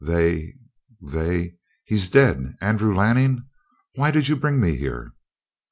"They they he's dead Andrew Lanning! Why did you bring me here?"